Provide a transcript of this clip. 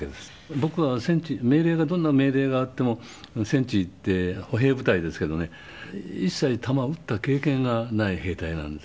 僕は戦地命令がどんな命令があっても戦地行って歩兵部隊ですけどね一切弾を撃った経験がない兵隊なんです。